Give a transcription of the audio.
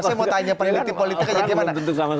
saya mau tanya peneliti politiknya gimana